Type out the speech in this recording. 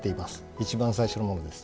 一番最初のものです。